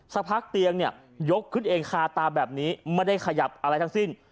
สักพักเตียงเนี่ยยกขึ้นเองคาตาแบบนี้ไม่ได้ขยับอะไรทั้งสิ้น